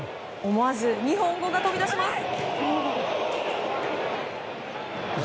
思わず日本語が飛び出します。